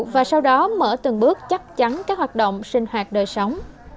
và sau đó mở từng bước chắc chắn các hoạt động sinh hoạt đời sống